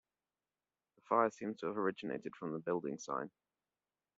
The fire seems to have originated from the building sign.